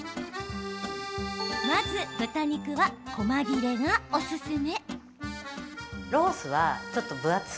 まず豚肉はこま切れがおすすめ。